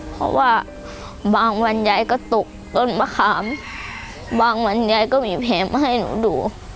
เพราะว่าบางวันยายก็ตกต้นมะขามบางวันยายก็มีแผลมาให้หนูดู